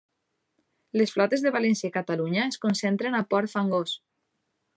Les flotes de València i Catalunya es concentren a Port Fangós.